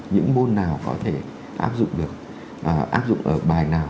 những môn nào có thể áp dụng được áp dụng ở bài nào